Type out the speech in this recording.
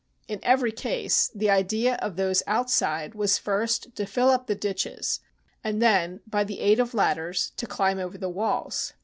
In every case, the idea of those outside was first to fill up the ditches and then, by the aid of ladders, to climb over the walls.